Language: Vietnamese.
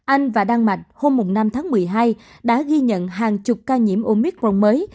anh và đan mạch hôm năm tháng một mươi hai đã ghi nhận hàng chục ca nhiễm omicron mới